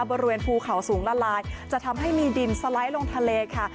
บริเวณภูเขาสูงละลายจะทำให้มีดินสไลด์ลงทะเลค่ะ